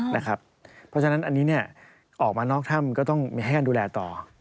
เพราะฉะนั้นอันนี้ออกมานอกถ้ำก็ต้องมีให้ท่านดูแลต่อ